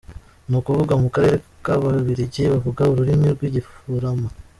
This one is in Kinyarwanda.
Ni ukuvuga mu Karere k’Ababiligi bavuga ururimi rw’Igifurama.